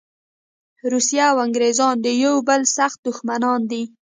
روسیه او انګریزان د یوه بل سخت دښمنان دي.